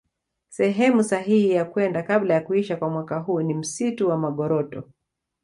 Sehemu sahihi ya kwenda kabla ya kuisha kwa mwaka huu ni msitu wa Magoroto